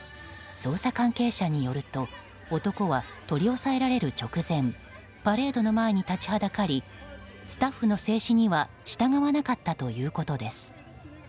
捜査関係者によると男は取り押さえられる直前パレードの前に立ちはだかりスタッフの制止には従わなかったということです。